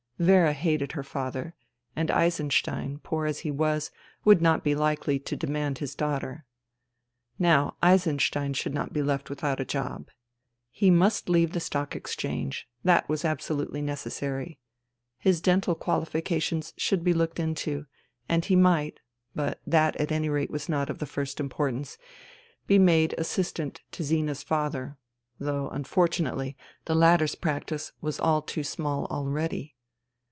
Vera hated her father, and Eisen stein, poor as he was, would not be likely to demand his daughter. Now Eisenstein should not be left without a job. He must leave the Stock Exchange. That was absolutely necessary. His dental quahfi cations should be looked into ; and he might — but that at any rate was not of the first importance — be made assistant to Zina's father (though unfortu nately the latter' s practice was all too small already).